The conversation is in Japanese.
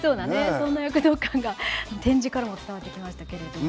そんな躍動感が展示からも伝わってきましたけれども。